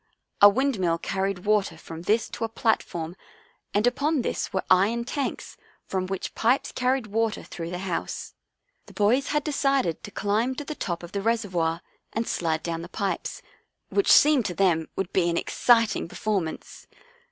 A windmill carried water 44 Out Little Australian Cousin from this to a platform and upon this were iron tanks from which pipes carried water through the house. The boys had decided to climb to the top of the reservoir and slide down the pipes, which seemed to them would be an exciting per formance.